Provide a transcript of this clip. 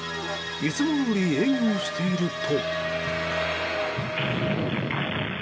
いつもどおり営業をしていると。